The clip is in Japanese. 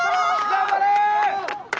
頑張れ！